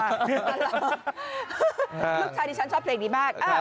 ลูกชายที่ฉันชอบเพลงนี้มาก